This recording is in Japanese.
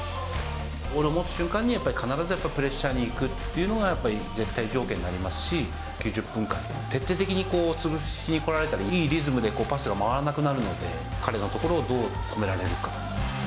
ボールを持つ瞬間に、やっぱり必ずプレッシャーに行くっていうのが、やっぱり絶対条件になりますし、９０分間、徹底的に潰しに来られたら、いいリズムでパスが回らなくなるので、彼のところをどう止められるか。